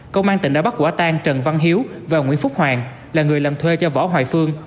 công an tỉnh đã bắt quả tang trần văn hiếu và nguyễn phúc hoàng là người làm thuê cho võ hoài phương